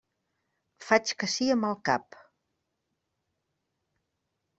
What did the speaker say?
Faig que sí amb el cap.